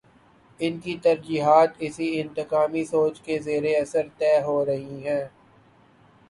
ان کی ترجیحات اسی انتقامی سوچ کے زیر اثر طے ہو رہی ہیں۔